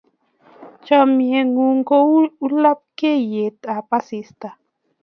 Chamyengung ko ulapleiyetap asista